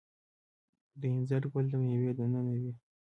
د انځر ګل د میوې دننه وي؟